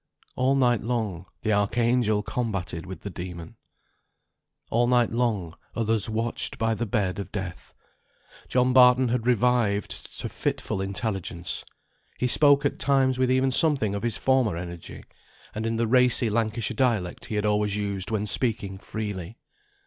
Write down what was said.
All night long, the Archangel combated with the Demon. All night long, others watched by the bed of Death. John Barton had revived to fitful intelligence. He spoke at times with even something of his former energy; and in the racy Lancashire dialect he had always used when speaking freely.